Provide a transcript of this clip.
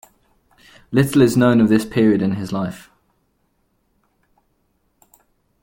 Little is known of this period in his life.